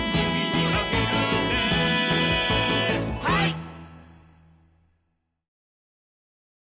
はい！